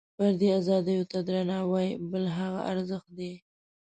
فردي ازادیو ته درناوۍ بل هغه ارزښت دی.